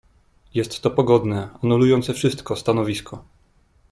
"Jest to pogodne, anulujące wszystko, stanowisko."